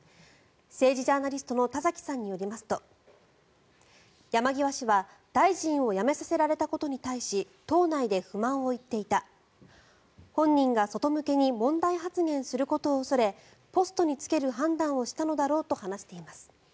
政治ジャーナリストの田崎さんによりますと山際氏は大臣を辞めさせられたことに対し党内で不満を言っていた本人が外向けに問題発言することを恐れポストに就ける判断をしたのだろうと話しています。